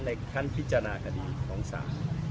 ในขั้นพิจารณาคดีของศาล